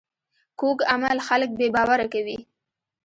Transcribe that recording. کوږ عمل خلک بې باوره کوي